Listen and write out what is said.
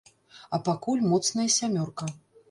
А пакуль моцная сямёрка.